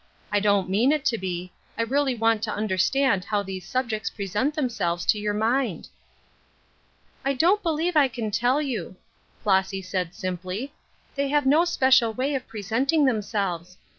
I don't mean it Xo be ; I really want to under stand how those subjects present themselves to your mind." " I don't believe I can tell you," Flossy said, Bimpl3\ " They have no special way of present ing themselves.